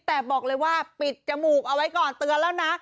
แต่บอกเลยว่าปิดจมูกเอาไว้ก่อนเตือนแล้วนะ